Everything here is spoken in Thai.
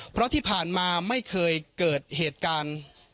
เพราะที่ผ่านมาไม่เคยเกิดเหตุการณ์